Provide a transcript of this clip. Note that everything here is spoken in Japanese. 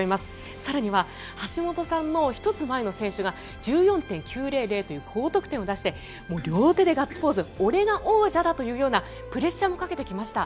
更には橋本さんの１つ前の選手が１４．９００という高得点を出して両手でガッツポーズ俺が王者だというようなプレッシャーもかけてきました。